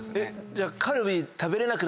じゃあ。